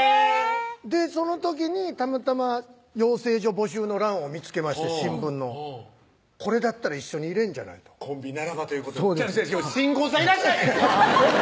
その時にたまたま養成所募集の欄を見つけまして新聞のこれだったら一緒にいれるんじゃない？とコンビならばということで違う新婚コンビさんいらっしゃい！